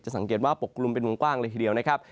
สังเกตว่าปกกลุ่มเป็นวงกว้างเลยทีเดียวนะครับ